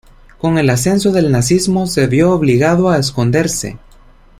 Con el ascenso del nazismo, se vio obligado a esconderse.